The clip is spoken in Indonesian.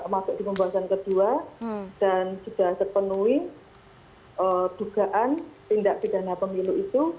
masuk di pembahasan kedua dan sudah terpenuhi dugaan tindak pidana pemilu itu